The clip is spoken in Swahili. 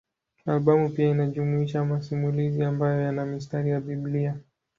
Albamu pia inajumuisha masimulizi ambayo yana mistari ya Biblia.